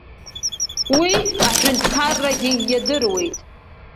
Уи аҳәынҭқаррагьы иадыруеит.